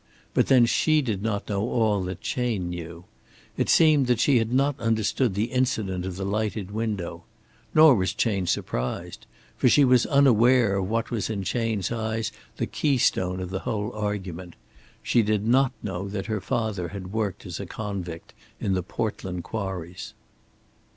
But then she did not know all that Chayne knew. It seemed that she had not understood the incident of the lighted window. Nor was Chayne surprised. For she was unaware of what was in Chayne's eyes the keystone of the whole argument. She did not know that her father had worked as a convict in the Portland quarries.